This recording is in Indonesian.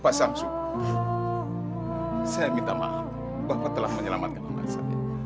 pak samsu saya minta maaf bahwa telah menyelamatkan anak saya